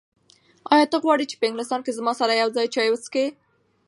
ایا ته غواړې چې په انګلستان کې زما سره یو ځای چای وڅښې؟